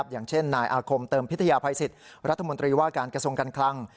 อย่างเช่นนายอาคมเติมพิทยาภัยสิทธิ์รัฐมนตรีว่าการกระทรวงการคลัง